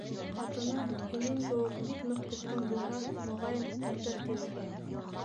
Ҡатыны һинең кеүек бик ныҡ көткән булһа, моғайын, ҡайтыр, тине.